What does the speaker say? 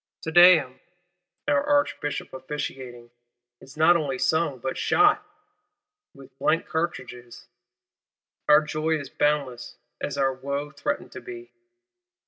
Te Deum, our Archbishop officiating, is not only sung, but shot—with blank cartridges. Our joy is boundless as our wo threatened to be.